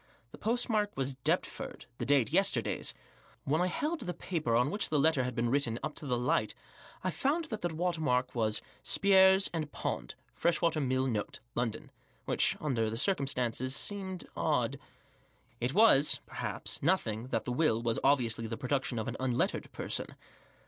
The postmark was Deptford ; the date yesterday's. When I held the paper on which the letter had been written op to the light I found that the watermark was "Spiers and Pond. Freshwater Mill Note. London," which, under the circumstances, seemed odd. It was, perhaps, nothing that the will was obviously the production of an unlettered person.